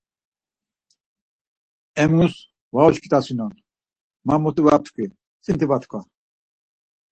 Emuk var uçkitasunon, ma mutu va ptkvi, sinti va tkva.